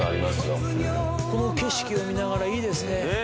この景色を見ながらいいですね。